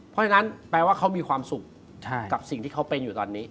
เพราะฉะนั้นแปลว่าเขามีความสุขกับสิ่งที่เขาเป็นอยู่ตอนนี้